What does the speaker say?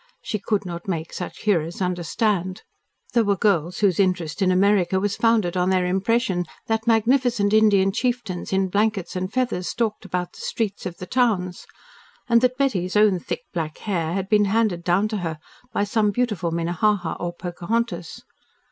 She could not make such hearers understand. There were girls whose interest in America was founded on their impression that magnificent Indian chieftains in blankets and feathers stalked about the streets of the towns, and that Betty's own thick black hair had been handed down to her by some beautiful Minnehaha or Pocahontas.